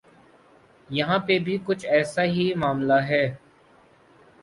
یہاں پہ بھی کچھ ایسا ہی معاملہ ہے۔